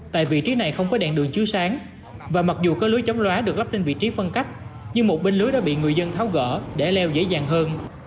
tại vị trí này không có đèn đường chiếu sáng và mặc dù có lưới chống loá được lắp trên vị trí phân cách nhưng một bên lưới đã bị người dân tháo gỡ để leo dễ dàng hơn